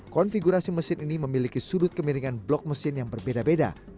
konfigurasi mesin ini memiliki sudut kemiringan blok silinder mesin yang menyerupai huruf v